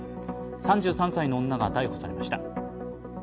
３３歳の女が逮捕されました。